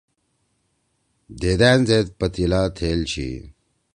دھیدأن زید پتیِلا تھیل چھی۔